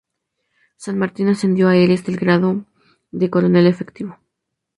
San Martín ascendió a Heres al grado de coronel efectivo.